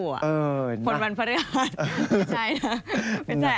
คนวันพระเรือด